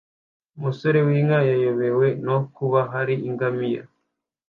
Umusore w'inka yayobewe no kuba hari ingamiya